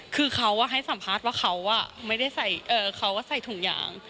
คือเขาให้สัมภาษณ์ว่าเขาไม่ได้ใส่เขาก็ใส่ถุงยาง